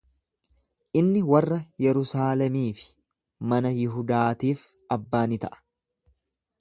Inni warra Yerusaalemii fi mana Yihudaatiif abbaa ni ta'a.